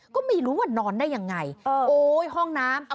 ก็ไม่รู้ว่านอนได้ยังไงโอ๊ยห้องน้ำ